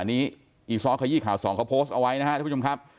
อันนี้อีซ้อขยี้ข่าวสองเขาโพสต์เอาไว้นะครับทุกผู้ชมครับ